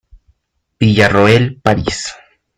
Villarroel París.